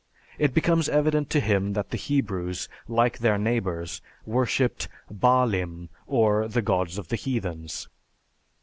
It becomes evident to him that the Hebrews, like their neighbors, worshiped "baalim" or the gods of the heathens.